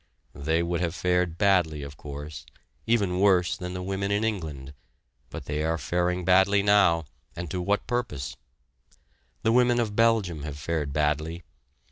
They would have fared badly of course, even worse than the women in England, but they are faring badly now, and to what purpose? The women of Belgium have fared badly.